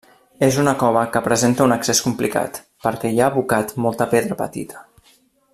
És una cova que presenta un accés complicat perquè hi ha abocat molta pedra petita.